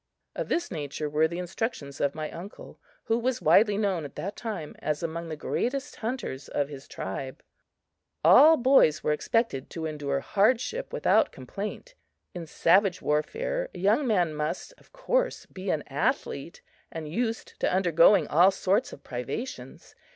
Of this nature were the instructions of my uncle, who was widely known at that time as among the greatest hunters of his tribe. All boys were expected to endure hardship without complaint. In savage warfare, a young man must, of course, be an athlete and used to undergoing all sorts of privations.